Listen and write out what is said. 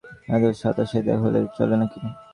এত সাদাসিধা হলে চলে নাকি!